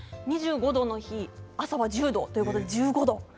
２５度の日、朝は１０度ということで１５度。